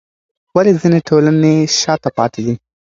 ولې ځینې ټولنې شاته پاتې دي؟